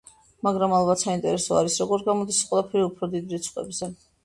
მაგრამ ალბათ საინტერესო არის, როგორ გამოდის ეს ყველაფერი უფრო დიდ რიცხვებზე.